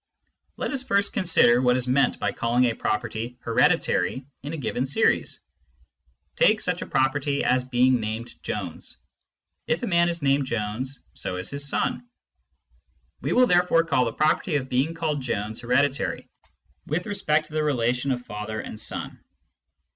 Let us first consider what is meant by calling a property " hereditary " in a given series. Take such a property as being named Jones. If a man is named Jones, so is his son ; we will therefore call the property of being called Jones hereditary with respect to the relation of father and son.